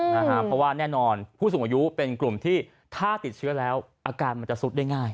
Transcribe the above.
เพราะว่าแน่นอนผู้สูงอายุเป็นกลุ่มที่ถ้าติดเชื้อแล้วอาการมันจะซุดได้ง่าย